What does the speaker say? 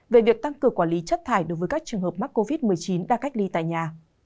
về việc tăng cường quản lý chất thải đối với các trường hợp mắc covid một mươi chín đang cách ly tại nhà